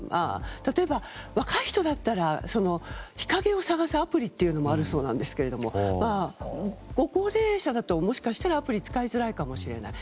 例えば、若い人だったら日陰を探すアプリもあるそうなんですけどご高齢者だともしかしたらアプリは使いづらいかもしれない。